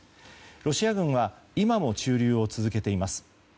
ロシア軍は今も駐留を続けています。